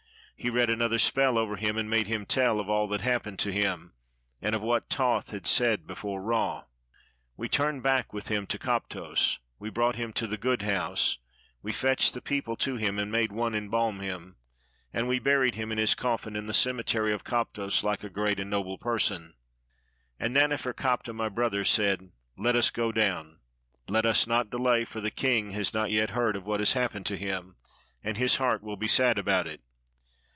He read another spell over him, and made him tell of all that hap pened to him, and of what Thoth had said before Ra. We turned back with him to Koptos. We brought him to the Good House, we fetched the people to him, and made one embalm him; and we buried him in his cofi&n in the cemetery of Koptos like a great and noble person. And Naneferkaptah, my brother, said, "Let us go down, let us not delay, for the king has not yet heard of what has happened to him, and his heart will be sad about it."